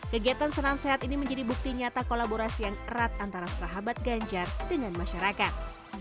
kegiatan senam sehat ini menjadi bukti nyata kolaborasi yang erat antara sahabat ganjar dengan masyarakat